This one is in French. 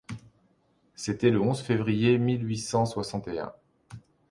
C’était le onze février mille huit cent soixante et un.